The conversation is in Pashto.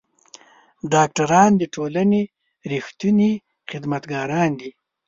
ډاکټران د ټولنې رښتوني خدمتګاران دي.